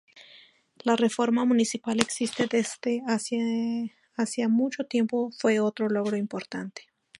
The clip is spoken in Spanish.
La reforma municipal existente desde hacía mucho tiempo fue otro logro importante.